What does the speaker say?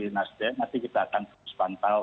nasdem nanti kita akan terus pantau